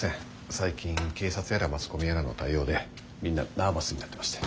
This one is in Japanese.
最近警察やらマスコミやらの対応でみんなナーバスになってまして。